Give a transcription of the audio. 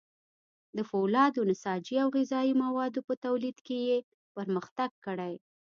د فولادو، نساجي او غذايي موادو په تولید کې یې پرمختګ کړی.